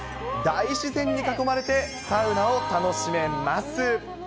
大自然に囲まれて、サウナを楽しめます。